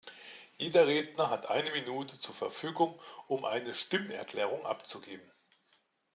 Jeder Redner hat eine Minute zur Verfügung, um eine Stimmerklärung abzugeben.